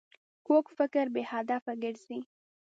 کوږ فکر بې هدفه ګرځي